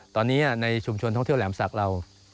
ตอนนี้ในชุมชนท่องเที่ยวแหลมศักดิ์เรา